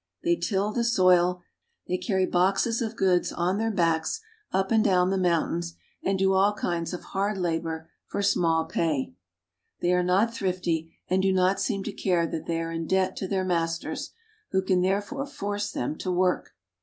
They till the soil. They carry Uncivilized Indians. boxes of goods on their backs up LAND OF THE EQUATOR. 49 Human Head, Dried. and down the mountains, and do all kinds of hard labor for small pay. They are not thrifty, and do not seem to care that they are in debt to their masters, who can therefore force them to work.